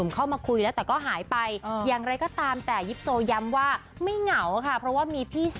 ไม่เป็นไรยาแจ็คส่วนมา๒๐กว่าปี